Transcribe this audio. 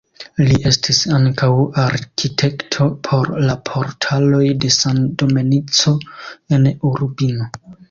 Li estis ankaŭ arkitekto por la portaloj de San Domenico en Urbino.